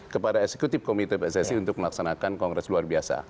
kepada eksekutif komite pssi untuk melaksanakan kongres luar biasa